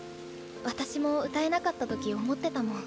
私も歌えなかった時思ってたもん。